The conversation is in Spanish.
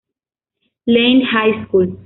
Lane High School".